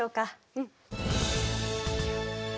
うん。